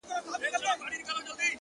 اوښکي نه راتویومه خو ژړا کړم؛